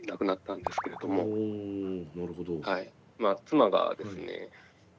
妻がですね